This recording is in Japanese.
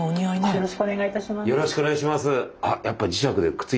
よろしくお願いします。